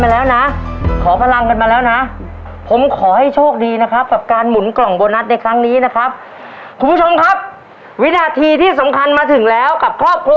๑ล้านบาทอยู่ในกับมือของครอบครัวแม่เก๋